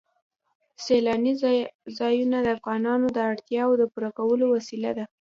سیلانی ځایونه د افغانانو د اړتیاوو د پوره کولو وسیله ده.